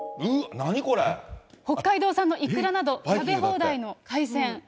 北海道産のイクラなど、食べ放題の海鮮。